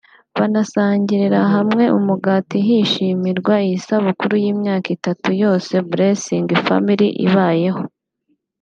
banasangiriye hamwe umugati (Gateau) hishimirwa iyi sabukuru y’imyaka itatu yose Blesings Family ibayeho